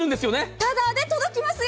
ただで届きますよ。